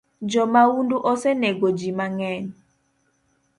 Jo maundu osenego jii mangeny